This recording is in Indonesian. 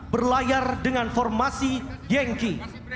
berlayar dengan formasi yenki